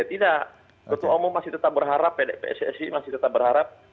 tidak ketua umum masih tetap berharap pssi masih tetap berharap